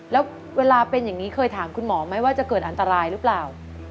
แล้วเวลาเป็นอย่างนี้เคยถามคุณหมอไหมว่าจะเกิดอันตรายหรือเปล่า